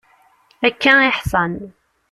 Akka i ḥṣan.